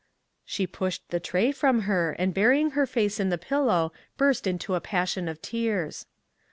She pushed the tray from her, and burying her face in the pillow burst into a passion of tears.